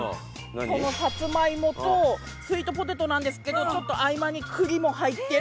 さつまいもとスイートポテトなんですけどちょっと合間に栗も入ってる。